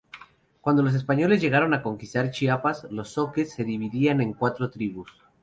Cuando los españoles llegaron a conquistar Chiapas, los Zoques se dividían en cuatro tribus.